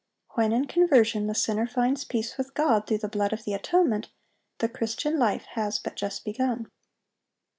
When in conversion the sinner finds peace with God through the blood of the atonement, the Christian life has but just begun.